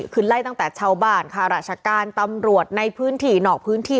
คือไล่ตั้งแต่ชาวบ้านค่ะราชการตำรวจในพื้นที่นอกพื้นที่